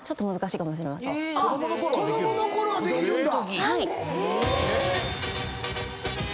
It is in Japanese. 子供のころはできるんだ！